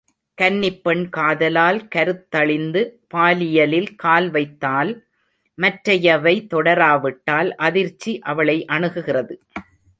கன்னிப் பெண் காதலால் கருத்தழிந்து பாலியலில் கால் வைத்தால் மற்றையவை தொடராவிட்டால் அதிர்ச்சி அவளை அணுகுகிறது.